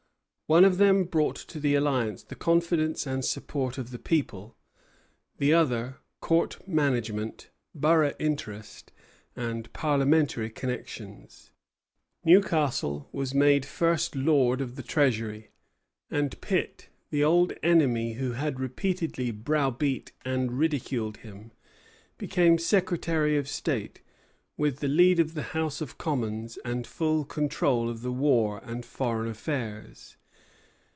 One of them brought to the alliance the confidence and support of the people; the other, Court management, borough interest, and parliamentary connections. Newcastle was made First Lord of the Treasury, and Pitt, the old enemy who had repeatedly browbeat and ridiculed him, became Secretary of State, with the lead of the House of Commons and full control of the war and foreign affairs.